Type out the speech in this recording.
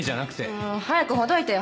もう早くほどいてよ